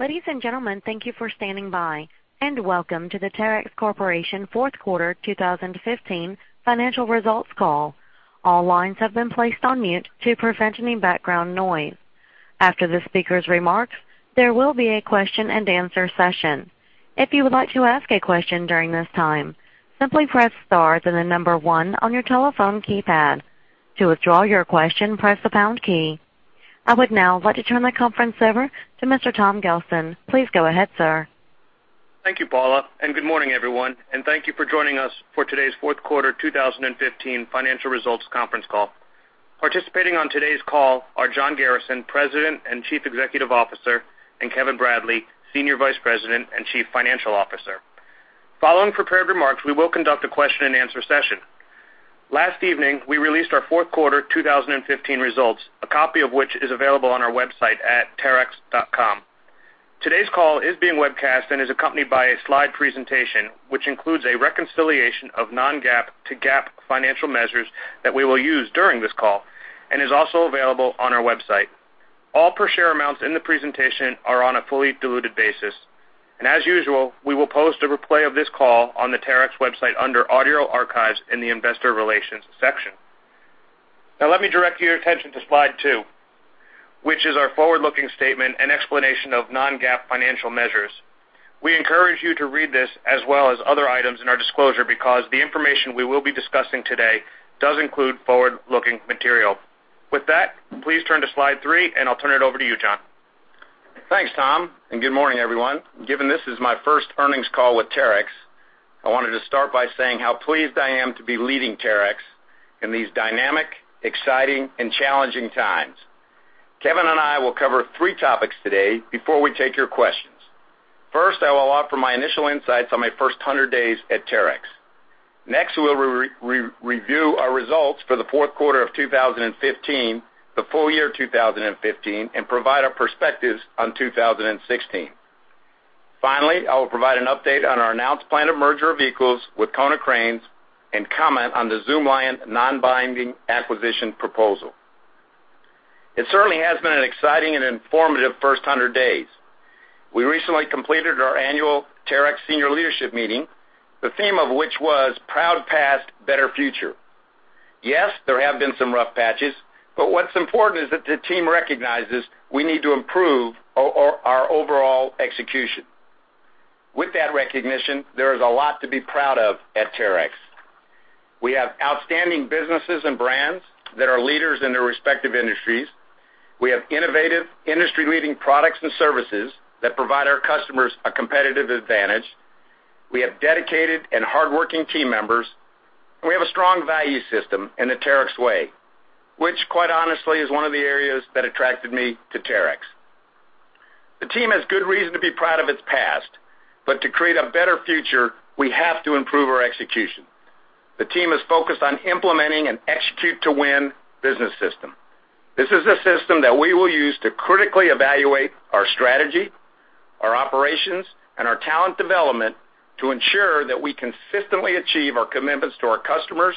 Ladies and gentlemen, thank you for standing by, and welcome to the Terex Corporation Fourth Quarter 2015 financial results call. All lines have been placed on mute to prevent any background noise. After the speakers' remarks, there will be a question and answer session. If you would like to ask a question during this time, simply press star, then the number one on your telephone keypad. To withdraw your question, press the pound key. I would now like to turn the conference over to Mr. Tom Gelston. Please go ahead, sir. Thank you, Paula, good morning, everyone, and thank you for joining us for today's fourth quarter 2015 financial results conference call. Participating on today's call are John Garrison, President and Chief Executive Officer, and Kevin Bradley, Senior Vice President and Chief Financial Officer. Following prepared remarks, we will conduct a question and answer session. Last evening, we released our fourth quarter 2015 results, a copy of which is available on our website at terex.com. Today's call is being webcast and is accompanied by a slide presentation, which includes a reconciliation of non-GAAP to GAAP financial measures that we will use during this call and is also available on our website. All per share amounts in the presentation are on a fully diluted basis. As usual, we will post a replay of this call on the Terex website under Audio Archives in the Investor Relations section. Let me direct your attention to slide two, which is our forward-looking statement and explanation of non-GAAP financial measures. We encourage you to read this as well as other items in our disclosure because the information we will be discussing today does include forward-looking material. With that, please turn to slide three and I'll turn it over to you, John. Thanks, Tom, good morning, everyone. Given this is my first earnings call with Terex, I wanted to start by saying how pleased I am to be leading Terex in these dynamic, exciting, and challenging times. Kevin and I will cover three topics today before we take your questions. First, I will offer my initial insights on my first 100 days at Terex. Next, we will review our results for the fourth quarter of 2015, the full year 2015, and provide our perspectives on 2016. Finally, I will provide an update on our announced plan of merger vehicles with Konecranes and comment on the Zoomlion non-binding acquisition proposal. It certainly has been an exciting and informative first 100 days. We recently completed our annual Terex senior leadership meeting, the theme of which was Proud Past, Better Future. Yes, there have been some rough patches, but what's important is that the team recognizes we need to improve our overall execution. With that recognition, there is a lot to be proud of at Terex. We have outstanding businesses and brands that are leaders in their respective industries. We have innovative industry-leading products and services that provide our customers a competitive advantage. We have dedicated and hardworking team members. We have a strong value system in The Terex Way, which quite honestly is one of the areas that attracted me to Terex. To create a better future, we have to improve our execution. The team is focused on implementing an execute to win business system. This is a system that we will use to critically evaluate our strategy, our operations, and our talent development to ensure that we consistently achieve our commitments to our customers,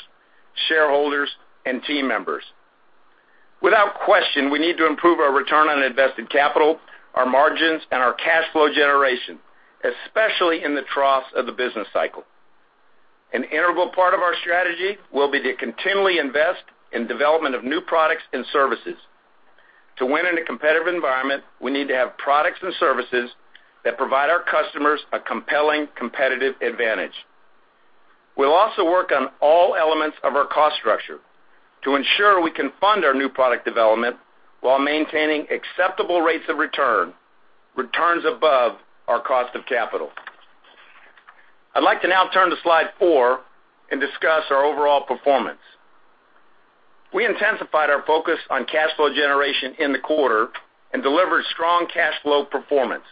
shareholders, and team members. Without question, we need to improve our return on invested capital, our margins, and our cash flow generation, especially in the troughs of the business cycle. An integral part of our strategy will be to continually invest in development of new products and services. To win in a competitive environment, we need to have products and services that provide our customers a compelling competitive advantage. We'll also work on all elements of our cost structure to ensure we can fund our new product development while maintaining acceptable rates of return, returns above our cost of capital. I'd like to now turn to slide four and discuss our overall performance. We intensified our focus on cash flow generation in the quarter and delivered strong cash flow performance.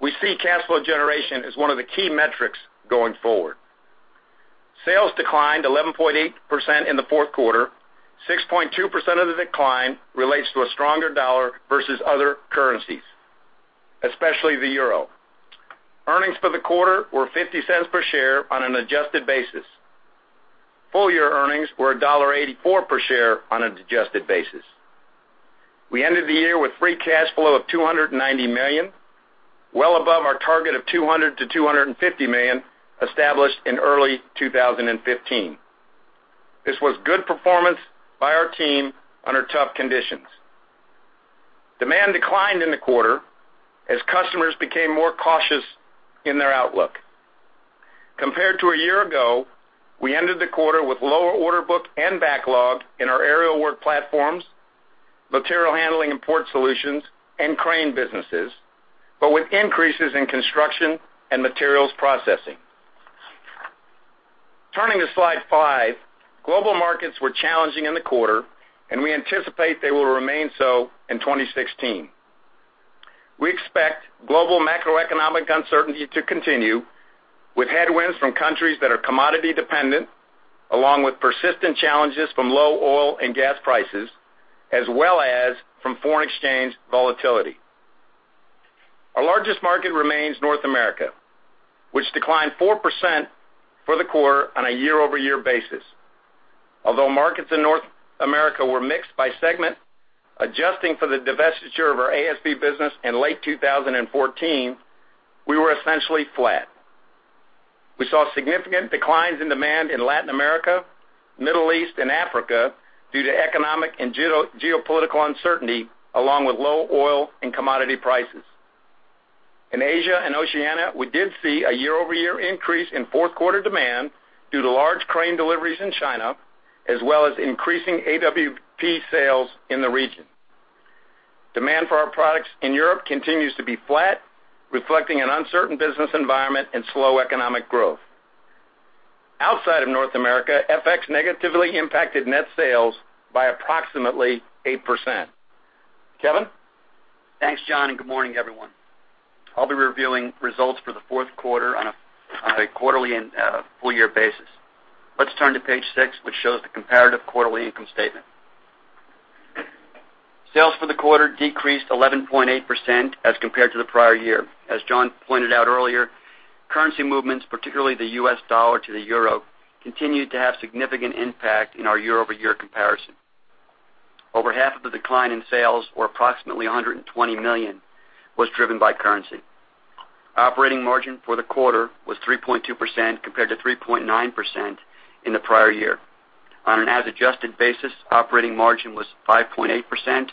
We see cash flow generation as one of the key metrics going forward. Sales declined 11.8% in the fourth quarter, 6.2% of the decline relates to a stronger dollar versus other currencies, especially the EUR. Earnings for the quarter were $0.50 per share on an adjusted basis. Full year earnings were $1.84 per share on an adjusted basis. We ended the year with free cash flow of $290 million, well above our target of $200 million-$250 million established in early 2015. This was good performance by our team under tough conditions. Demand declined in the quarter as customers became more cautious in their outlook. Compared to a year ago, we ended the quarter with lower order book and backlog in our Aerial Work Platforms, Material Handling & Port Solutions, and crane businesses, with increases in construction and Materials Processing. Turning to slide five, global markets were challenging in the quarter, and we anticipate they will remain so in 2016. We expect global macroeconomic uncertainty to continue with headwinds from countries that are commodity dependent, along with persistent challenges from low oil and gas prices, as well as from foreign exchange volatility. Our largest market remains North America, which declined 4% for the quarter on a year-over-year basis. Markets in North America were mixed by segment, adjusting for the divestiture of our ASV business in late 2014, we were essentially flat. We saw significant declines in demand in Latin America, Middle East, and Africa due to economic and geopolitical uncertainty, along with low oil and commodity prices. In Asia and Oceania, we did see a year-over-year increase in fourth quarter demand due to large crane deliveries in China, as well as increasing AWP sales in the region. Demand for our products in Europe continues to be flat, reflecting an uncertain business environment and slow economic growth. Outside of North America, FX negatively impacted net sales by approximately 8%. Kevin? Thanks, John, and good morning, everyone. I will be reviewing results for the fourth quarter on a quarterly and full-year basis. Let's turn to page six, which shows the comparative quarterly income statement. Sales for the quarter decreased 11.8% as compared to the prior year. As John pointed out earlier, currency movements, particularly the US dollar to the euro, continued to have significant impact in our year-over-year comparison. Over half of the decline in sales, or approximately $120 million, was driven by currency. Operating margin for the quarter was 3.2%, compared to 3.9% in the prior year. On an as-adjusted basis, operating margin was 5.8%,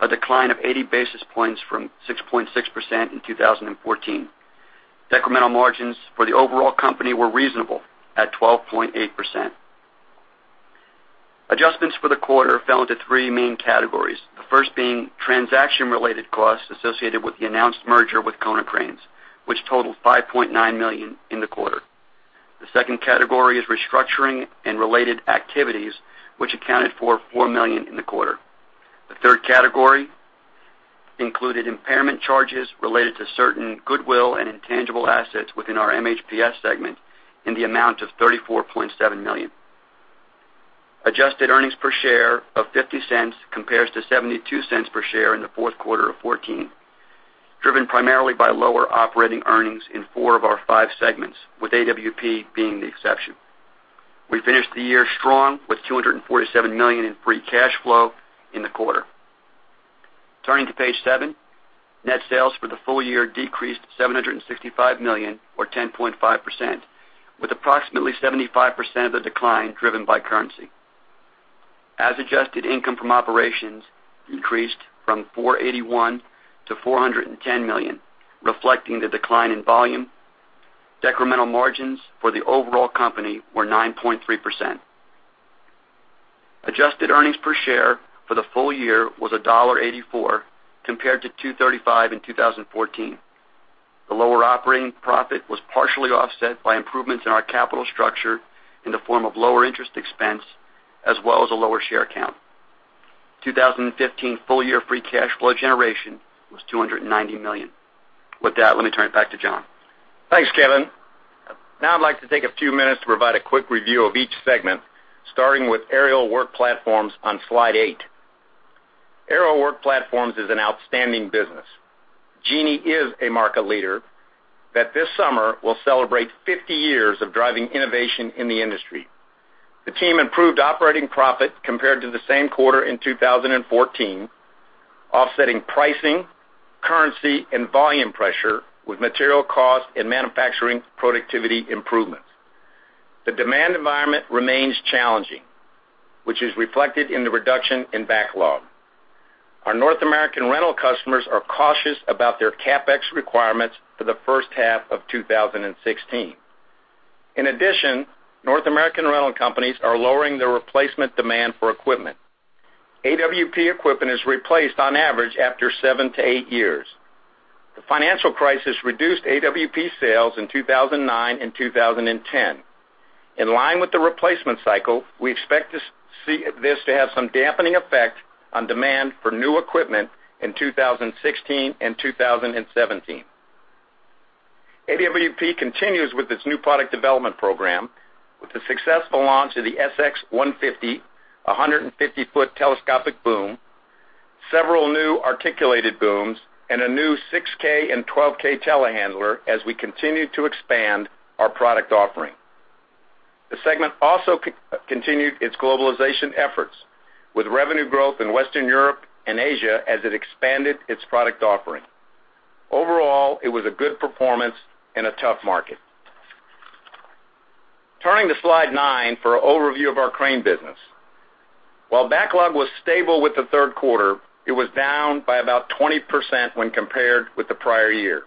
a decline of 80 basis points from 6.6% in 2014. Decremental margins for the overall company were reasonable at 12.8%. Adjustments for the quarter fell into three main categories, the first being transaction-related costs associated with the announced merger with Konecranes, which totaled $5.9 million in the quarter. The second category is restructuring and related activities, which accounted for $4 million in the quarter. The third category included impairment charges related to certain goodwill and intangible assets within our MHPS segment in the amount of $34.7 million. Adjusted earnings per share of $0.50 compares to $0.72 per share in the fourth quarter of 2014, driven primarily by lower operating earnings in four of our five segments, with AWP being the exception. We finished the year strong with $247 million in free cash flow in the quarter. Turning to page seven, net sales for the full year decreased $765 million, or 10.5%, with approximately 75% of the decline driven by currency. As adjusted, income from operations increased from $481 million to $410 million, reflecting the decline in volume. Decremental margins for the overall company were 9.3%. Adjusted earnings per share for the full year was $1.84 compared to $2.35 in 2014. The lower operating profit was partially offset by improvements in our capital structure in the form of lower interest expense, as well as a lower share count. 2015 full-year free cash flow generation was $290 million. With that, let me turn it back to John. Thanks, Kevin. Now I'd like to take a few minutes to provide a quick review of each segment, starting with Aerial Work Platforms on slide eight. Aerial Work Platforms is an outstanding business. Genie is a market leader that this summer will celebrate 50 years of driving innovation in the industry. The team improved operating profit compared to the same quarter in 2014, offsetting pricing, currency, and volume pressure with material cost and manufacturing productivity improvements. The demand environment remains challenging, which is reflected in the reduction in backlog. Our North American rental customers are cautious about their CapEx requirements for the first half of 2016. In addition, North American rental companies are lowering their replacement demand for equipment. AWP equipment is replaced on average after seven to eight years. The financial crisis reduced AWP sales in 2009 and 2010. In line with the replacement cycle, we expect this to have some dampening effect on demand for new equipment in 2016 and 2017. AWP continues with its new product development program with the successful launch of the SX-150, 150-foot telescopic boom, several new articulated booms, and a new 6K and 12K telehandler as we continue to expand our product offering. The segment also continued its globalization efforts with revenue growth in Western Europe and Asia as it expanded its product offering. Overall, it was a good performance in a tough market. Turning to slide nine for an overview of our crane business. While backlog was stable with the third quarter, it was down by about 20% when compared with the prior year.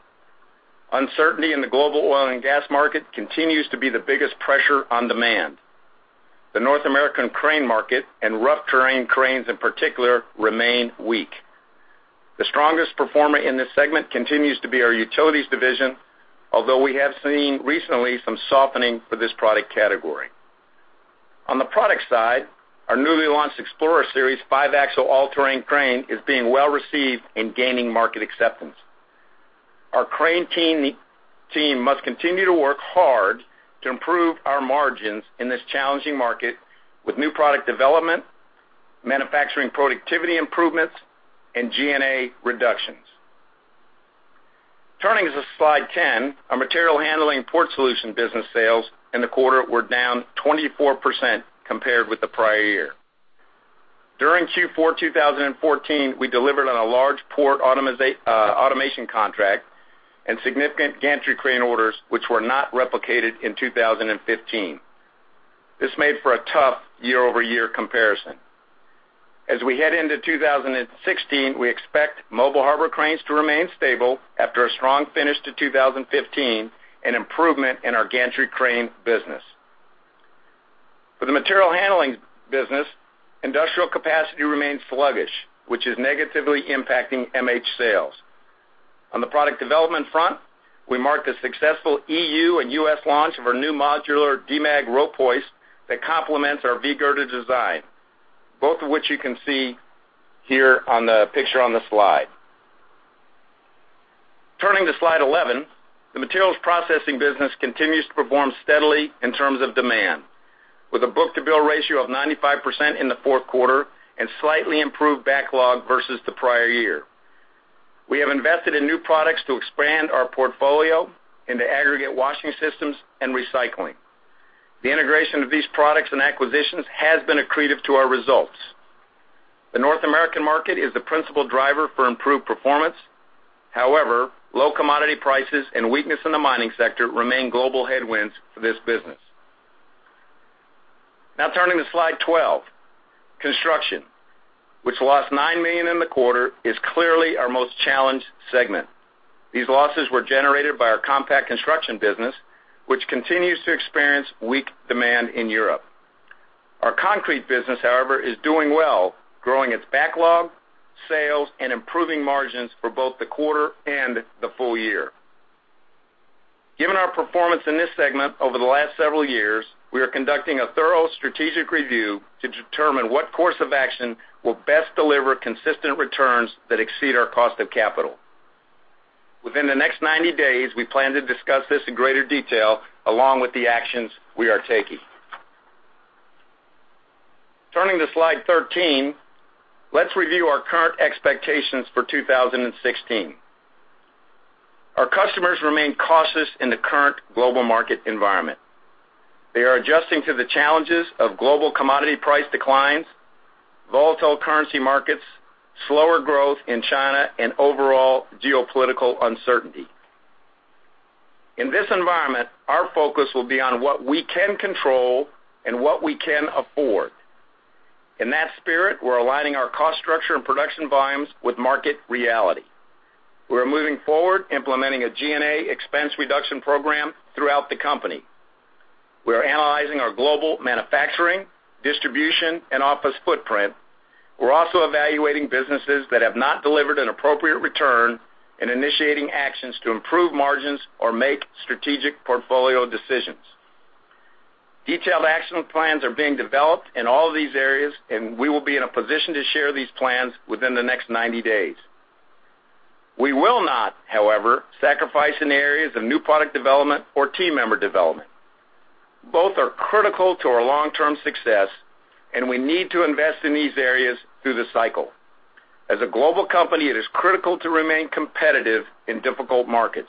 Uncertainty in the global oil and gas market continues to be the biggest pressure on demand. The North American crane market and rough terrain cranes in particular remain weak. The strongest performer in this segment continues to be our utilities division, although we have seen recently some softening for this product category. On the product side, our newly launched Explorer series five-axle all-terrain crane is being well-received in gaining market acceptance. Our crane team must continue to work hard to improve our margins in this challenging market with new product development, manufacturing productivity improvements, and G&A reductions. Turning to slide 10, our Material Handling and Port Solutions business sales in the quarter were down 24% compared with the prior year. During Q4 2014, we delivered on a large port automation contract and significant gantry crane orders, which were not replicated in 2015. This made for a tough year-over-year comparison. As we head into 2016, we expect mobile harbor cranes to remain stable after a strong finish to 2015 and improvement in our gantry crane business. For the material handling business, industrial capacity remains sluggish, which is negatively impacting MH sales. On the product development front, we marked a successful EU and U.S. launch of our new modular Demag Rope hoist that complements our V-type design, both of which you can see here on the picture on the slide. Turning to slide 11, the Materials Processing business continues to perform steadily in terms of demand, with a book-to-bill ratio of 95% in the fourth quarter and slightly improved backlog versus the prior year. We have invested in new products to expand our portfolio into aggregate washing systems and recycling. The integration of these products and acquisitions has been accretive to our results. The North American market is the principal driver for improved performance. However, low commodity prices and weakness in the mining sector remain global headwinds for this business. Turning to slide 12, Construction, which lost $9 million in the quarter, is clearly our most challenged segment. These losses were generated by our compact construction business, which continues to experience weak demand in Europe. Our concrete business, however, is doing well, growing its backlog, sales, and improving margins for both the quarter and the full year. Given our performance in this segment over the last several years, we are conducting a thorough strategic review to determine what course of action will best deliver consistent returns that exceed our cost of capital. Within the next 90 days, we plan to discuss this in greater detail, along with the actions we are taking. Turning to slide 13, let's review our current expectations for 2016. Our customers remain cautious in the current global market environment. They are adjusting to the challenges of global commodity price declines, volatile currency markets, slower growth in China, and overall geopolitical uncertainty. In this environment, our focus will be on what we can control and what we can afford. In that spirit, we're aligning our cost structure and production volumes with market reality. We're moving forward implementing a G&A expense reduction program throughout the company. We are analyzing our global manufacturing, distribution, and office footprint. We're also evaluating businesses that have not delivered an appropriate return and initiating actions to improve margins or make strategic portfolio decisions. Detailed actionable plans are being developed in all of these areas, and we will be in a position to share these plans within the next 90 days. We will not, however, sacrifice in areas of new product development or team member development. Both are critical to our long-term success, and we need to invest in these areas through the cycle. As a global company, it is critical to remain competitive in difficult markets.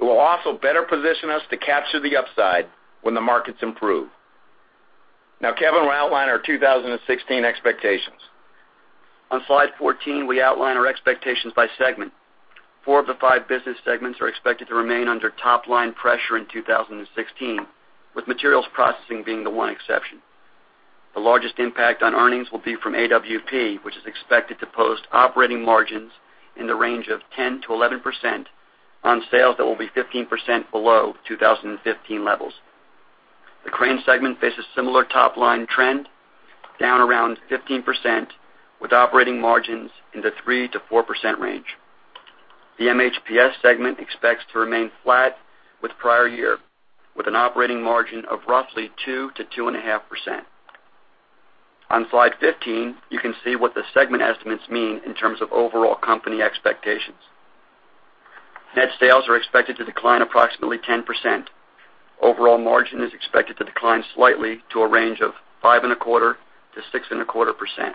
It will also better position us to capture the upside when the markets improve. Kevin will outline our 2016 expectations. On slide 14, we outline our expectations by segment. Four of the five business segments are expected to remain under top-line pressure in 2016, with Materials Processing being the one exception. The largest impact on earnings will be from AWP, which is expected to post operating margins in the range of 10%-11% on sales that will be 15% below 2015 levels. The crane segment faces similar top-line trend, down around 15%, with operating margins in the 3%-4% range. The MHPS segment expects to remain flat with prior year, with an operating margin of roughly 2%-2.5%. On slide 15, you can see what the segment estimates mean in terms of overall company expectations. Net sales are expected to decline approximately 10%. Overall margin is expected to decline slightly to a range of 5.25%-6.25%.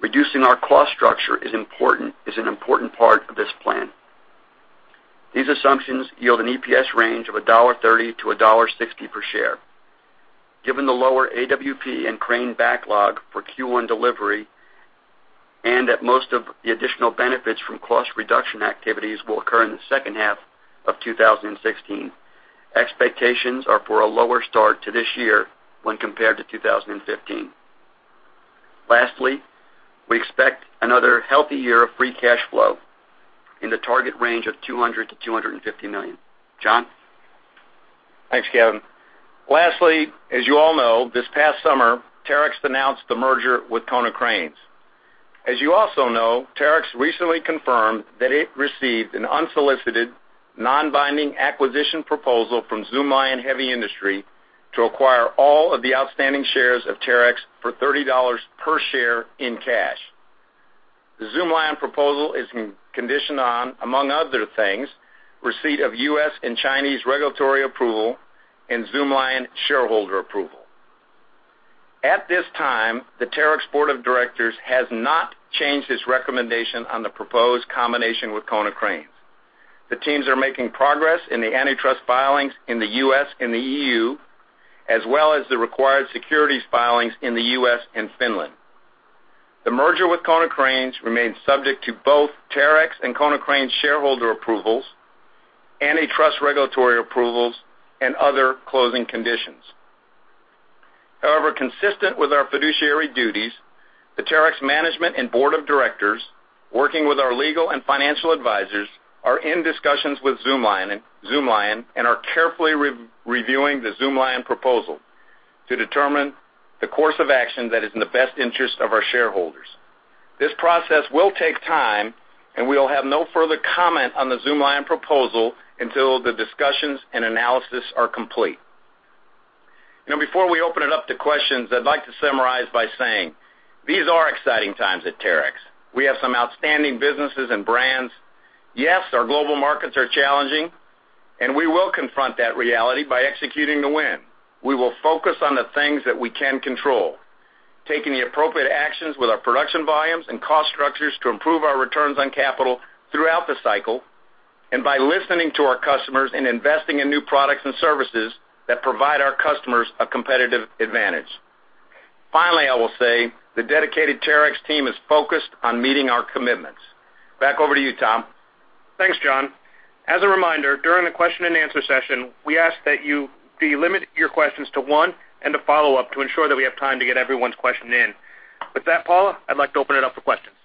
Reducing our cost structure is an important part of this plan. These assumptions yield an EPS range of $1.30 to $1.60 per share. Given the lower AWP and crane backlog for Q1 delivery, and that most of the additional benefits from cost reduction activities will occur in the second half of 2016, expectations are for a lower start to this year when compared to 2015. Lastly, we expect another healthy year of free cash flow in the target range of $200 to $250 million. John? Thanks, Kevin. Lastly, as you all know, this past summer, Terex announced the merger with Konecranes. As you also know, Terex recently confirmed that it received an unsolicited, non-binding acquisition proposal from Zoomlion Heavy Industry to acquire all of the outstanding shares of Terex for $30 per share in cash. The Zoomlion proposal is conditioned on, among other things, receipt of U.S. and Chinese regulatory approval and Zoomlion shareholder approval. At this time, the Terex board of directors has not changed its recommendation on the proposed combination with Konecranes. The teams are making progress in the antitrust filings in the U.S. and the EU, as well as the required securities filings in the U.S. and Finland. The merger with Konecranes remains subject to both Terex and Konecranes shareholder approvals, antitrust regulatory approvals, and other closing conditions. Consistent with our fiduciary duties, the Terex management and board of directors, working with our legal and financial advisors, are in discussions with Zoomlion and are carefully reviewing the Zoomlion proposal to determine the course of action that is in the best interest of our shareholders. This process will take time. We will have no further comment on the Zoomlion proposal until the discussions and analysis are complete. Before we open it up to questions, I'd like to summarize by saying these are exciting times at Terex. We have some outstanding businesses and brands. Yes, our global markets are challenging. We will confront that reality by executing to win. We will focus on the things that we can control, taking the appropriate actions with our production volumes and cost structures to improve our returns on capital throughout the cycle, by listening to our customers and investing in new products and services that provide our customers a competitive advantage. I will say the dedicated Terex team is focused on meeting our commitments. Back over to you, Tom. Thanks, John. As a reminder, during the question and answer session, we ask that you delimit your questions to one and a follow-up to ensure that we have time to get everyone's question in. With that, Paula, I'd like to open it up for questions.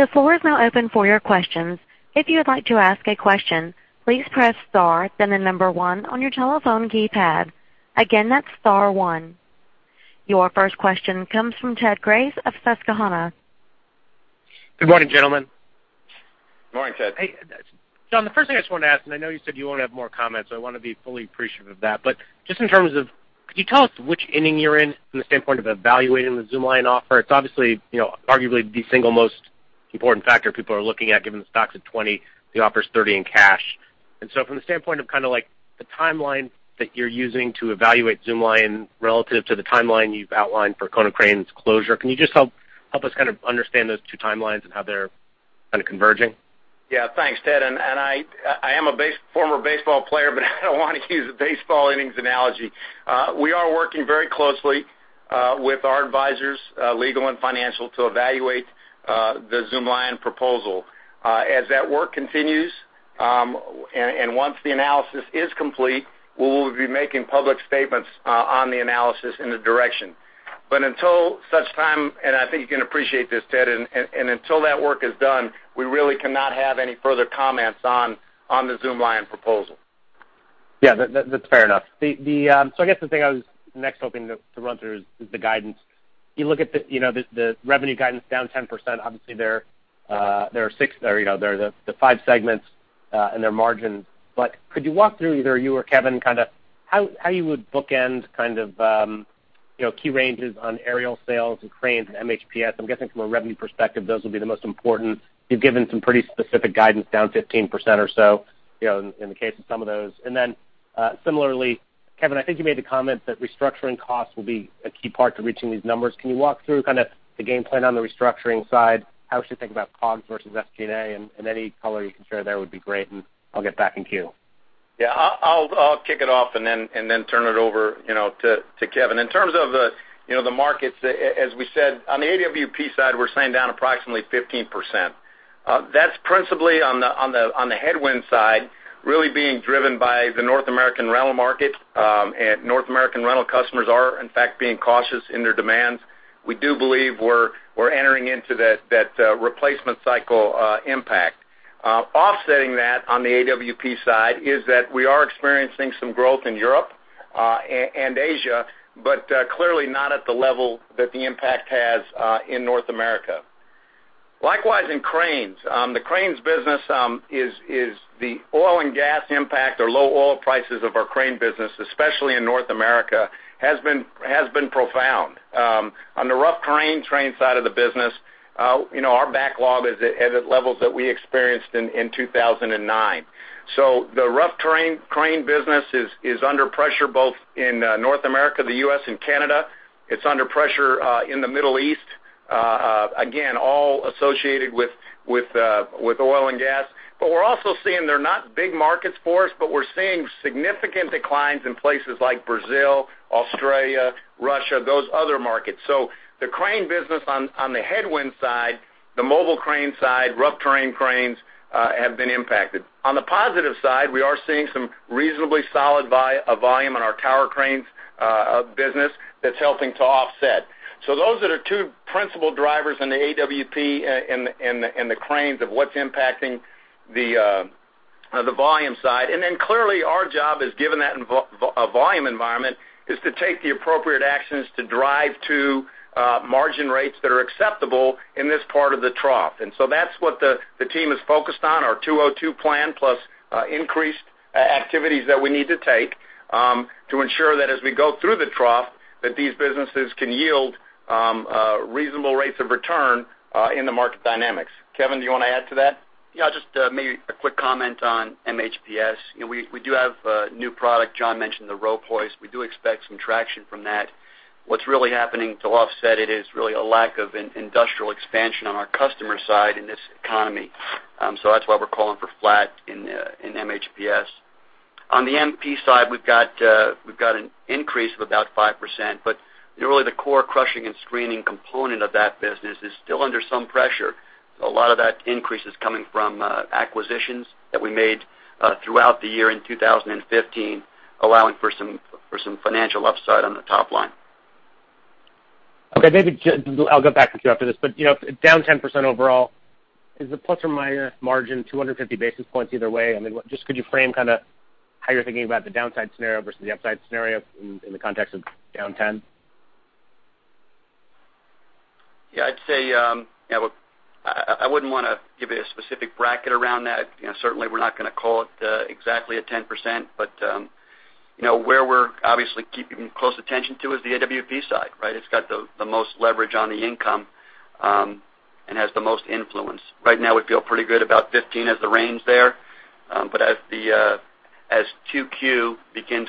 The floor is now open for your questions. If you would like to ask a question, please press star, then the number 1 on your telephone keypad. Again, that's star 1. Your first question comes from Ted Grace of Susquehanna. Good morning, gentlemen. Good morning, Ted. John, the first thing I just wanted to ask. I know you said you won't have more comments, so I want to be fully appreciative of that. Just in terms of, could you tell us which inning you're in from the standpoint of evaluating the Zoomlion offer? It's obviously, arguably the single most important factor people are looking at, given the stock's at $20, the offer's $30 in cash. From the standpoint of kind of like the timeline that you're using to evaluate Zoomlion relative to the timeline you've outlined for Konecranes closure, can you just help us kind of understand those two timelines and how they're kind of converging? Yeah. Thanks, Ted. I am a former baseball player, but I don't want to use a baseball innings analogy. We are working very closely with our advisors, legal and financial, to evaluate the Zoomlion proposal. As that work continues, and once the analysis is complete, we will be making public statements on the analysis and the direction. Until such time, and I think you can appreciate this, Ted, and until that work is done, we really cannot have any further comments on the Zoomlion proposal. Yeah. That's fair enough. I guess the thing I was next hoping to run through is the guidance. You look at the revenue guidance down 10%, obviously there are the five segments, and their margins. Could you walk through, either you or Kevin, kind of how you would bookend kind of key ranges on aerial sales and cranes and MHPS? I'm guessing from a revenue perspective, those will be the most important. You've given some pretty specific guidance, down 15% or so, in the case of some of those. Similarly, Kevin, I think you made the comment that restructuring costs will be a key part to reaching these numbers. Can you walk through kind of the game plan on the restructuring side? How we should think about COGS versus SG&A, and any color you can share there would be great, and I'll get back in queue. Yeah. I'll kick it off and then turn it over to Kevin. In terms of the markets, as we said, on the AWP side, we're saying down approximately 15%. That's principally on the headwind side, really being driven by the North American rental market. North American rental customers are, in fact, being cautious in their demands. We do believe we're entering into that replacement cycle impact. Offsetting that on the AWP side is that we are experiencing some growth in Europe and Asia, but clearly not at the level that the impact has in North America. Likewise, in cranes. The cranes business is the oil and gas impact or low oil prices of our crane business, especially in North America, has been profound. On the rough terrain crane side of the business, our backlog is at levels that we experienced in 2009. The rough terrain crane business is under pressure both in North America, the U.S., and Canada. It's under pressure in the Middle East. Again, all associated with oil and gas. We're also seeing, they're not big markets for us, but we're seeing significant declines in places like Brazil, Australia, Russia, those other markets. The crane business on the headwind side, the mobile crane side, rough terrain cranes, have been impacted. On the positive side, we are seeing some reasonably solid volume on our tower cranes business that's helping to offset. Those are the two principal drivers in the AWP and the cranes of what's impacting the volume side. Clearly our job is, given that volume environment, is to take the appropriate actions to drive to margin rates that are acceptable in this part of the trough. Yeah. That's what the team is focused on, our 202 Plan, plus increased activities that we need to take to ensure that as we go through the trough, that these businesses can yield reasonable rates of return in the market dynamics. Kevin, do you want to add to that? Yeah. Just maybe a quick comment on MHPS. We do have a new product, John mentioned the rope hoist. We do expect some traction from that. What's really happening to offset it is really a lack of industrial expansion on our customer side in this economy. That's why we're calling for flat in MHPS. On the MP side, we've got an increase of about 5%, but really the core crushing and screening component of that business is still under some pressure. A lot of that increase is coming from acquisitions that we made throughout the year in 2015, allowing for some financial upside on the top line. Okay. Maybe I'll go back to you after this, down 10% overall, is the plus or minus margin 250 basis points either way? I mean, just could you frame how you're thinking about the downside scenario versus the upside scenario in the context of down 10%? Yeah, I'd say, I wouldn't want to give you a specific bracket around that. Certainly, we're not going to call it exactly at 10%, but where we're obviously keeping close attention to is the AWP side, right? It's got the most leverage on the income, and has the most influence. Right now, we feel pretty good about 15 as the range there. As 2Q begins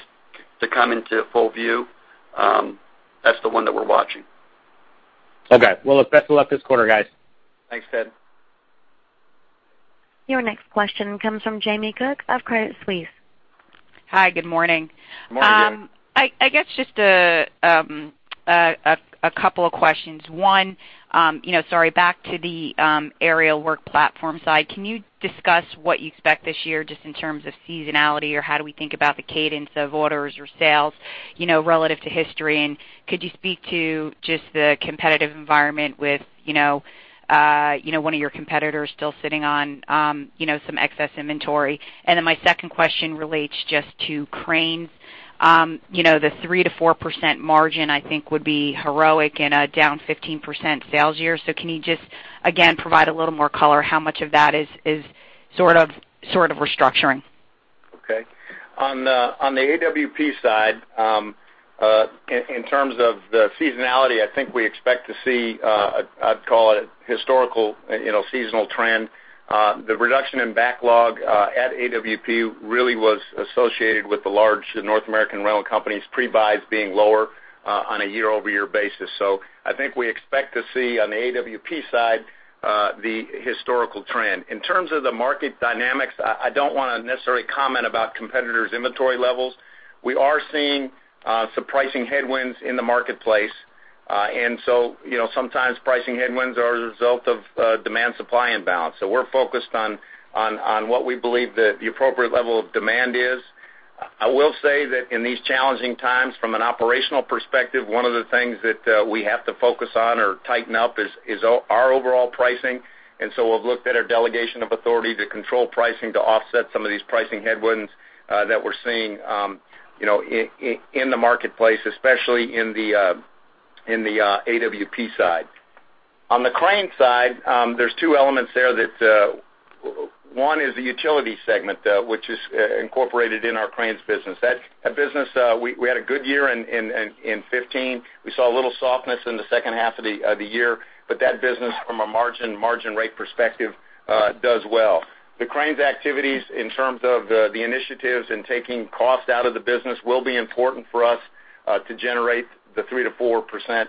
to come into full view, that's the one that we're watching. Okay. Well, look, best of luck this quarter, guys. Thanks, Ted. Your next question comes from Jamie Cook of Credit Suisse. Hi, good morning. Good morning, Jamie. I guess just a couple of questions. One, sorry, back to the Aerial Work Platforms side. Can you discuss what you expect this year just in terms of seasonality, or how do we think about the cadence of orders or sales relative to history? Could you speak to just the competitive environment with one of your competitors still sitting on some excess inventory? My second question relates just to cranes. The 3%-4% margin, I think would be heroic in a down 15% sales year. Can you just, again, provide a little more color how much of that is sort of restructuring? Okay. On the AWP side, in terms of the seasonality, I think we expect to see, I'd call it historical seasonal trend. The reduction in backlog at AWP really was associated with the large North American rental companies pre-buys being lower on a year-over-year basis. I think we expect to see, on the AWP side, the historical trend. In terms of the market dynamics, I don't want to necessarily comment about competitors' inventory levels. We are seeing some pricing headwinds in the marketplace. Sometimes pricing headwinds are a result of demand-supply imbalance. We're focused on what we believe the appropriate level of demand is. I will say that in these challenging times, from an operational perspective, one of the things that we have to focus on or tighten up is our overall pricing. We've looked at our delegation of authority to control pricing to offset some of these pricing headwinds that we're seeing in the marketplace, especially in the AWP side. On the crane side, there are two elements there. One is the utility segment, which is incorporated in our cranes business. That business we had a good year in 2015. We saw a little softness in the second half of the year, but that business from a margin rate perspective, does well. The cranes activities in terms of the initiatives and taking cost out of the business will be important for us, to generate the 3%-4%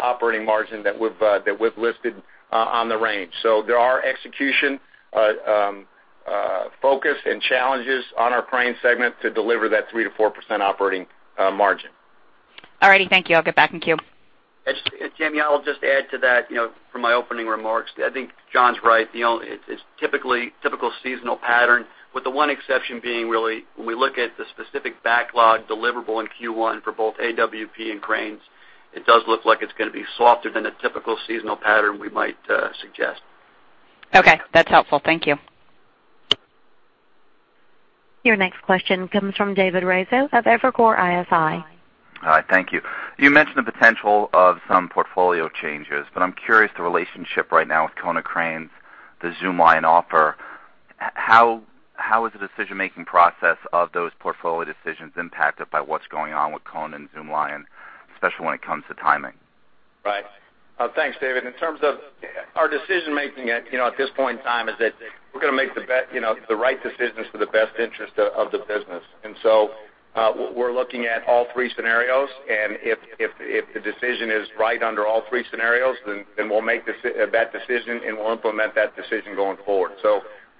operating margin that we've listed on the range. There are execution focus and challenges on our crane segment to deliver that 3%-4% operating margin. All righty, thank you. I'll get back in queue. Jamie, I'll just add to that from my opening remarks. I think John's right. It's typical seasonal pattern with the one exception being really when we look at the specific backlog deliverable in Q1 for both AWP and cranes, it does look like it's going to be softer than a typical seasonal pattern we might suggest. Okay. That's helpful. Thank you. Your next question comes from David Raso of Evercore ISI. Hi, thank you. You mentioned the potential of some portfolio changes, but I'm curious the relationship right now with Konecranes, the Zoomlion offer, how is the decision-making process of those portfolio decisions impacted by what's going on with Kone and Zoomlion, especially when it comes to timing? Right. Thanks, David. In terms of our decision-making at this point in time is that we're going to make the right decisions for the best interest of the business. We're looking at all three scenarios, and if the decision is right under all three scenarios, then we'll make that decision, and we'll implement that decision going forward.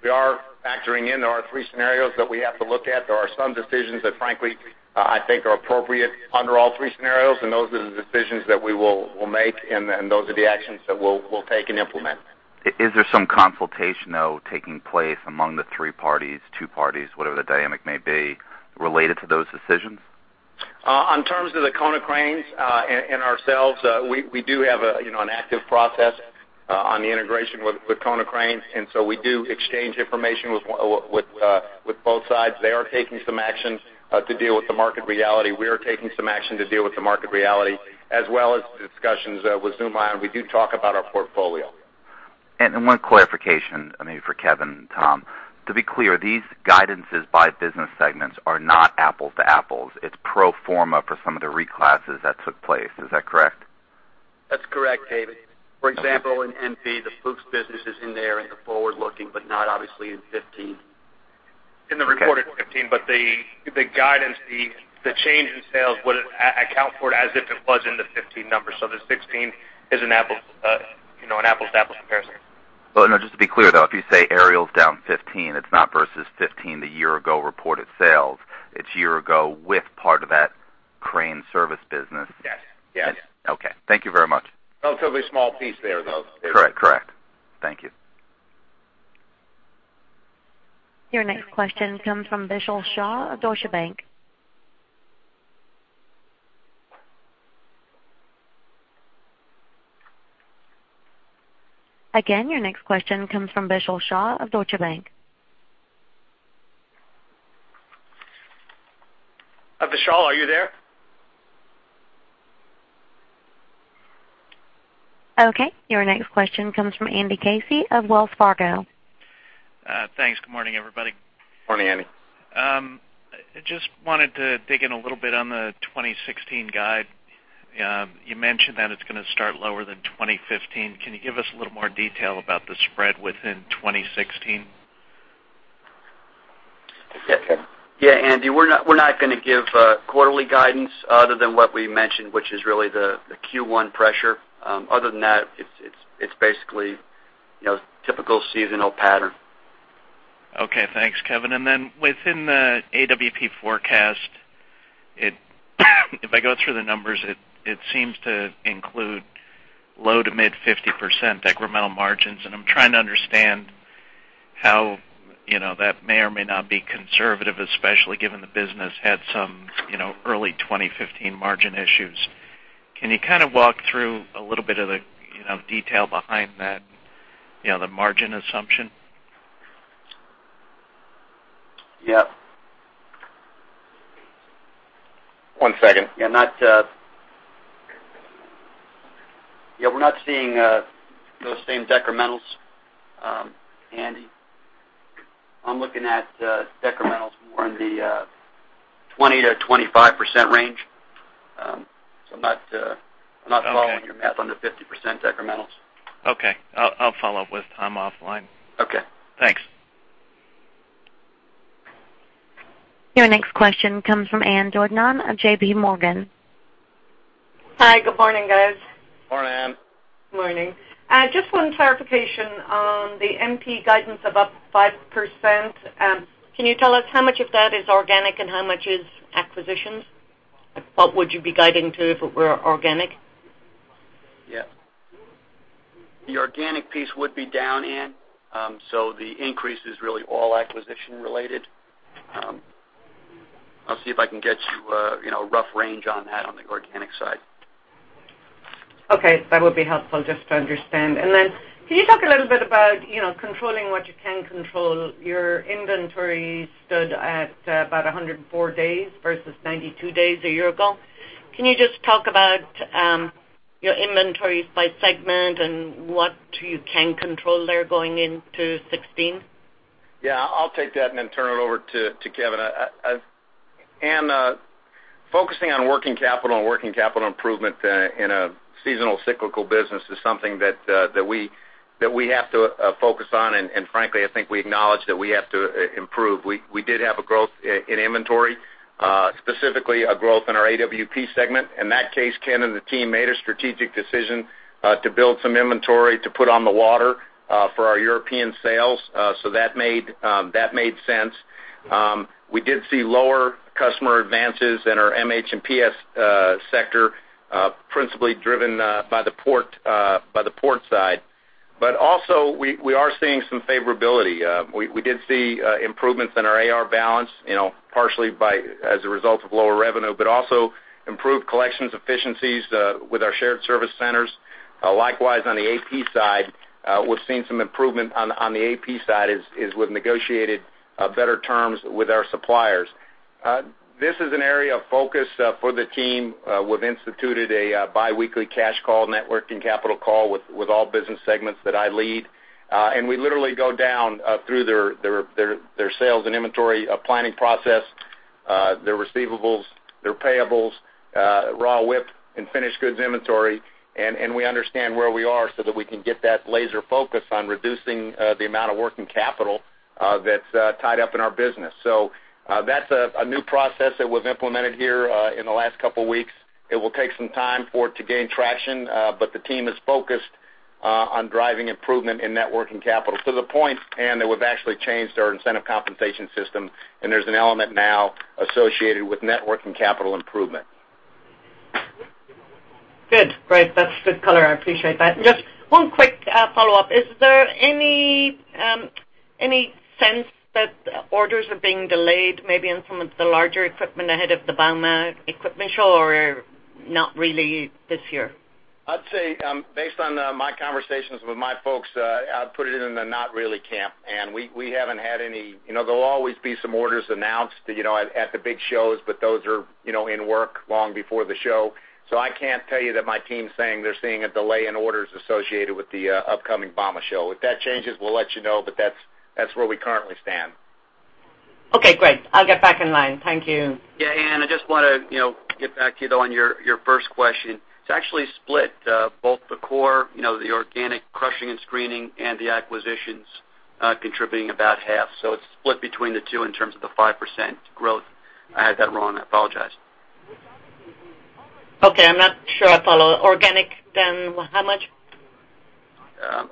We are factoring in. There are three scenarios that we have to look at. There are some decisions that, frankly, I think are appropriate under all three scenarios, and those are the decisions that we'll make, and those are the actions that we'll take and implement. Is there some consultation, though, taking place among the three parties, two parties, whatever the dynamic may be, related to those decisions? In terms of the Konecranes and ourselves, we do have an active process on the integration with Konecranes, we do exchange information with both sides. They are taking some action to deal with the market reality. We are taking some action to deal with the market reality, as well as discussions with Zoomlion. We do talk about our portfolio. One clarification, maybe for Kevin and Tom. To be clear, these guidances by business segments are not apples to apples. It's pro forma for some of the reclasses that took place. Is that correct? That's correct, David. For example, in MP, the Fuchs business is in there in the forward-looking, but not obviously in 2015. In the recorded 2015, the guidance, the change in sales would account for it as if it was in the 2015 numbers. The 2016 is an apples to apples comparison. Well, no, just to be clear, though, if you say Aerial's down 15, it's not versus 15 the year-ago reported sales. It's year-ago with part of that crane service business. Yes. Okay. Thank you very much. Relatively small piece there, though. Correct. Thank you. Your next question comes from Vishal Shah of Deutsche Bank. Again, your next question comes from Vishal Shah of Deutsche Bank. Vishal, are you there? Okay, your next question comes from Andrew Casey of Wells Fargo. Thanks. Good morning, everybody. Morning, Andy. I just wanted to dig in a little bit on the 2016 guide. You mentioned that it's going to start lower than 2015. Can you give us a little more detail about the spread within 2016? Yes. Yeah, Andy, we're not going to give quarterly guidance other than what we mentioned, which is really the Q1 pressure. Other than that, it's basically typical seasonal pattern. Okay. Thanks, Kevin. Within the AWP forecast, if I go through the numbers, it seems to include low to mid 50% decremental margins, and I'm trying to understand how that may or may not be conservative, especially given the business had some early 2015 margin issues. Can you kind of walk through a little bit of the detail behind the margin assumption? Yes. One second. Yeah, we're not seeing those same decrementals, Andy. I'm looking at decrementals more in the 20%-25% range. I'm not following your math on the 50% decrementals. Okay. I'll follow up with Tom offline. Okay. Thanks. Your next question comes from Ann Duignan of JPMorgan. Hi, good morning, guys. Morning, Ann. Morning. Just one clarification on the MP guidance of up 5%. Can you tell us how much of that is organic and how much is acquisitions? What would you be guiding to if it were organic? Yeah. The organic piece would be down, Ann. The increase is really all acquisition related. I'll see if I can get you a rough range on that on the organic side. Okay. That would be helpful just to understand. Can you talk a little bit about controlling what you can control? Your inventory stood at about 104 days versus 92 days a year ago. Can you just talk about your inventories by segment and what you can control there going into 2016? Yeah, I'll take that and then turn it over to Kevin. Ann, focusing on working capital and working capital improvement in a seasonal cyclical business is something that we have to focus on, and frankly, I think we acknowledge that we have to improve. We did have a growth in inventory, specifically a growth in our AWP segment. In that case, Ken and the team made a strategic decision to build some inventory to put on the water for our European sales. That made sense. We did see lower customer advances in our MH and PS sector, principally driven by the port side. Also we are seeing some favorability. We did see improvements in our AR balance, partially as a result of lower revenue, but also improved collections efficiencies with our shared service centers. Likewise, on the AP side, we're seeing some improvement on the AP side as we've negotiated better terms with our suppliers. This is an area of focus for the team. We've instituted a biweekly cash call, net working capital call with all business segments that I lead. We literally go down through their sales and inventory planning process, their receivables, their payables, raw WIP, and finished goods inventory, and we understand where we are so that we can get that laser focus on reducing the amount of working capital that's tied up in our business. That's a new process that was implemented here in the last couple of weeks. It will take some time for it to gain traction, the team is focused on driving improvement in net working capital to the point, Ann, that we've actually changed our incentive compensation system, and there's an element now associated with net working capital improvement. Good. Great. That's good color. I appreciate that. Just one quick follow-up. Is there any sense that orders are being delayed, maybe in some of the larger equipment ahead of the Bauma equipment show, or not really this year? I'd say, based on my conversations with my folks, I'd put it in the not really camp, Ann. There'll always be some orders announced at the big shows, but those are in work long before the show. I can't tell you that my team's saying they're seeing a delay in orders associated with the upcoming Bauma show. If that changes, we'll let you know, but that's where we currently stand. Okay, great. I'll get back in line. Thank you. Ann, I just want to get back to you, though, on your first question. It's actually split, both the core, the organic crushing and screening, and the acquisitions contributing about half. It's split between the two in terms of the 5% growth. I had that wrong, I apologize. Okay. I'm not sure I follow. Organic, then how much?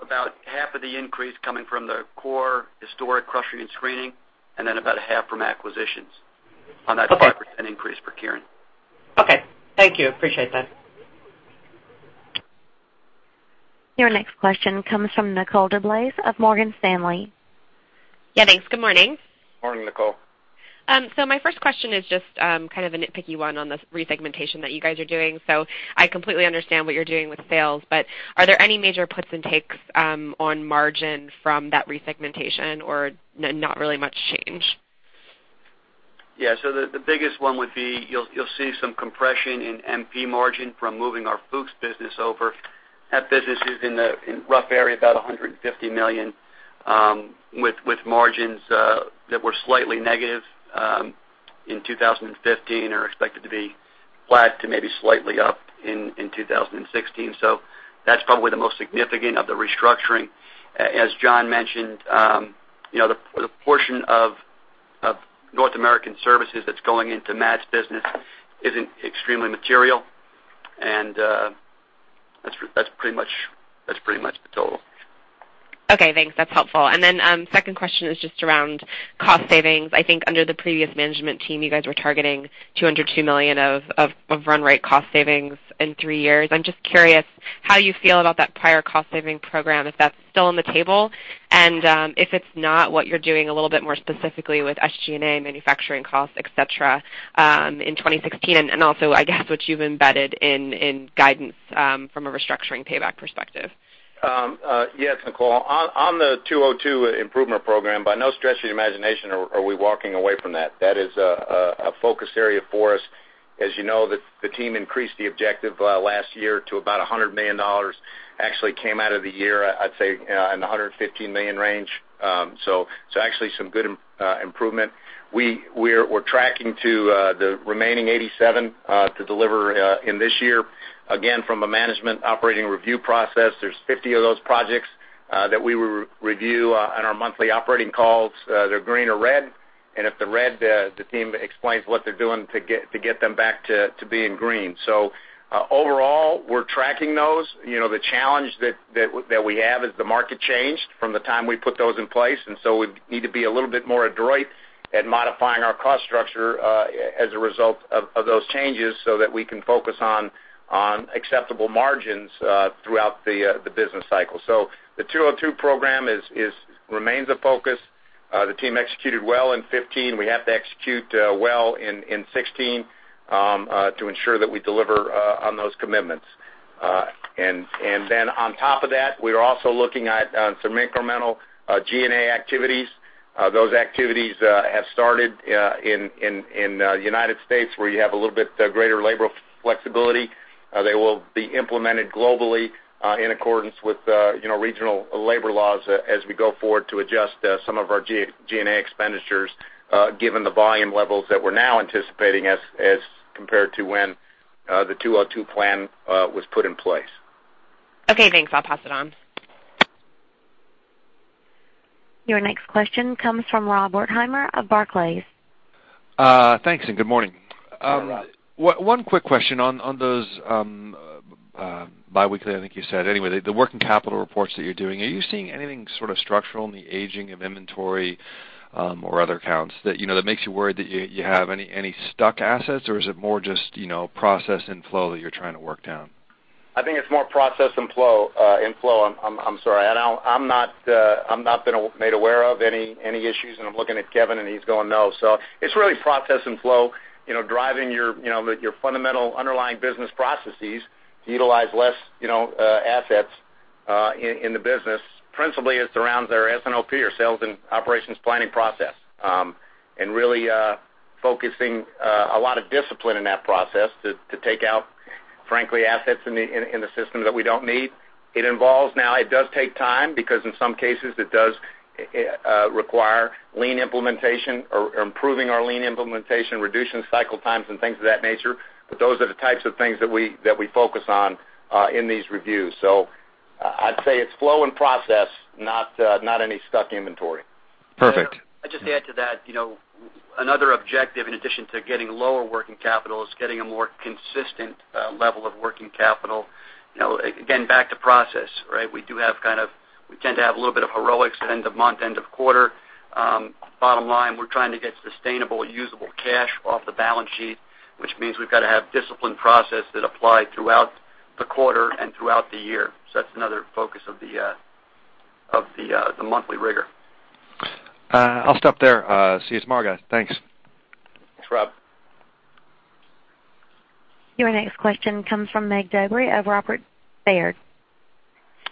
About half of the increase coming from the core historic crushing and screening, and then about a half from acquisitions. Okay on that 5% increase for Kieran. Okay. Thank you. Appreciate that. Your next question comes from Nicole DeBlase of Morgan Stanley. Yeah, thanks. Good morning. Morning, Nicole. My first question is just kind of a nitpicky one on the resegmentation that you guys are doing. I completely understand what you're doing with sales, but are there any major puts and takes on margin from that resegmentation, or not really much change? Yeah. The biggest one would be you'll see some compression in MP margin from moving our Fuchs business over. That business is in rough area about $150 million, with margins that were slightly negative in 2015, are expected to be flat to maybe slightly up in 2016. That's probably the most significant of the restructuring. As John mentioned, the portion of North American services that's going into Matt's business isn't extremely material, and that's pretty much the total. Okay, thanks. That's helpful. Second question is just around cost savings. I think under the previous management team, you guys were targeting $202 million of run rate cost savings in three years. I'm just curious how you feel about that prior cost saving program, if that's still on the table, and if it's not, what you're doing a little bit more specifically with SG&A manufacturing costs, et cetera, in 2016, and also, I guess, what you've embedded in guidance from a restructuring payback perspective. Yes, Nicole. On the 202 improvement program, by no stretch of the imagination are we walking away from that. That is a focus area for us. As you know, the team increased the objective last year to about $100 million. Actually came out of the year, I'd say, in the $115 million range. Actually some good improvement. We're tracking to the remaining 87 to deliver in this year. Again, from a management operating review process, there's 50 of those projects that we review on our monthly operating calls. They're green or red, and if they're red, the team explains what they're doing to get them back to being green. Overall, we're tracking those. The challenge that we have is the market changed from the time we put those in place, we need to be a little bit more adroit at modifying our cost structure as a result of those changes so that we can focus on acceptable margins throughout the business cycle. The 202 program remains a focus. The team executed well in 2015. We have to execute well in 2016 to ensure that we deliver on those commitments. On top of that, we are also looking at some incremental G&A activities. Those activities have started in U.S. where you have a little bit greater labor flexibility. They will be implemented globally in accordance with regional labor laws as we go forward to adjust some of our G&A expenditures given the volume levels that we're now anticipating as compared to when the 202 Plan was put in place. Okay, thanks. I'll pass it on. Your next question comes from Rob Wertheimer of Barclays. Thanks, good morning. Hi, Rob. One quick question on those biweekly, I think you said. The working capital reports that you're doing, are you seeing anything sort of structural in the aging of inventory or other accounts that makes you worried that you have any stuck assets, or is it more just process and flow that you're trying to work down? I think it's more process and flow. I'm not been made aware of any issues, and I'm looking at Kevin and he's going, "No." It's really process and flow, driving your fundamental underlying business processes to utilize less assets in the business. Principally, it surrounds our S&OP, or sales and operations planning process, Really focusing a lot of discipline in that process to take out, frankly, assets in the system that we don't need. It involves now, it does take time because in some cases, it does require lean implementation or improving our lean implementation, reducing cycle times and things of that nature. Those are the types of things that we focus on in these reviews. I'd say it's flow and process, not any stuck inventory. Perfect. I'd just add to that. Another objective in addition to getting lower working capital is getting a more consistent level of working capital. Again, back to process, right? We tend to have a little bit of heroics end of month, end of quarter. Bottom line, we're trying to get sustainable usable cash off the balance sheet, which means we've got to have disciplined process that apply throughout the quarter and throughout the year. That's another focus of the monthly rigor. I'll stop there. See you tomorrow, guys. Thanks. Thanks, Rob. Your next question comes from Mig Dobre of Robert W. Baird.